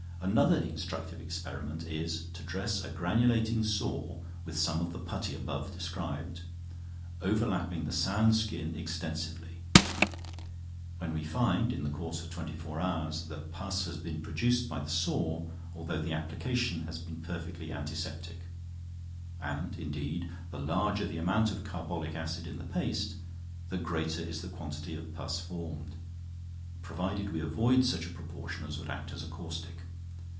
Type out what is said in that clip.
Another instructive experiment is, to dress a granulating sore with some of the putty above described, overlapping the sound skin extensively; when we find, in the course of twenty four hours, that pus has been produced by the sore, although the application has been perfectly antiseptic; and, indeed, the larger the amount of carbolic acid in the paste, the greater is the quantity of pus formed, provided we avoid such a proportion as would act as a caustic.